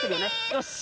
よし。